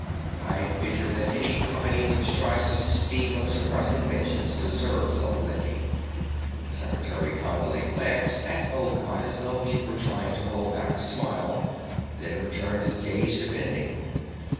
I figure that any company which tries to steal and suppress inventions deserves a licking." Secretary Condley glanced at Olcott as though he were trying to hold back a smile, then returned his gaze to Bending.